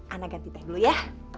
anda ganti teh dulu ya